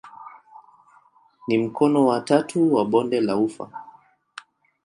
Ni mkono wa tatu wa bonde la ufa.